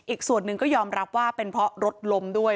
อีกส่วนหนึ่งก็ยอมรับว่าเป็นเพราะรถล้มด้วย